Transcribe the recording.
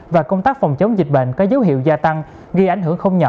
và công tác phòng chống dịch bệnh có dấu hiệu gia tăng gây ảnh hưởng không nhỏ